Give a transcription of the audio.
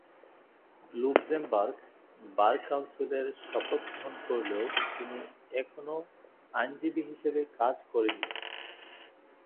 Luxembourg bar কাউন্সিলে শপথ গ্রহণ করলেও তিনি কখনো আইনজীবী হিসেবে কাজ করেন নি।